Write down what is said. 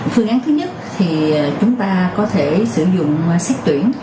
phương án thứ nhất thì chúng ta có thể sử dụng xét tuyển